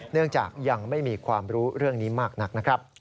เนื่องจากยังไม่มีความรู้เรื่องนี้มากนักนะครับ